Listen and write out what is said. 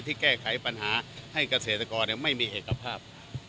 แก้ไขปัญหาให้เกษตรกรไม่มีเอกภาพ